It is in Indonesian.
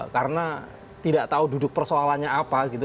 karena tidak tahu duduk persoalannya apa gitu